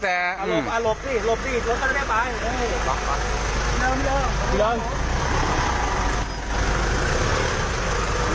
เข้ามาเล่อน